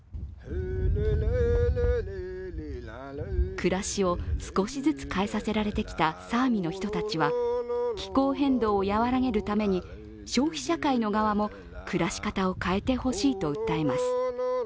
暮らしを少しずつ変えさせられてきたサーミの人たちは気候変動を和らげるために消費社会の側も暮らし方を変えてほしいと訴えます。